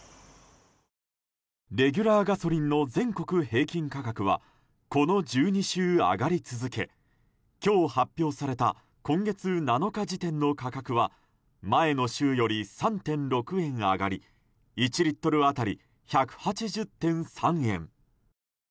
レギュラーガソリンの全国平均価格はこの１２週上がり続け今日、発表された今月７日時点の価格は前の週より３．６円上がり１リットル当たり１８０．３円。